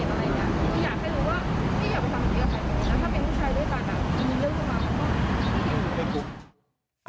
แต่ถ้าเป็นผู้ชายด้วยกันมีเรื่องขึ้นมาก็ไม่ค่อย